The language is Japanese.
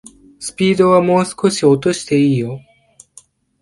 スピードはもう少し落としていいよ